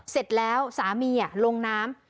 เสร็จแล้วสามีลงน้ำ